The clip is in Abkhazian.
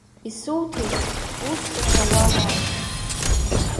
Исуҭеит, ус ҿашәа уауааит!